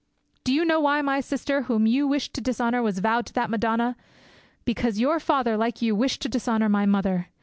"Do you know why my sister, whom you wished to dishonour, was vowed to the Madonna? Because your father, like you, wished to dishonour my mother.